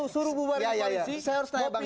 suruh bubarin koalisi